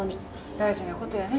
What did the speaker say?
大事なことやね。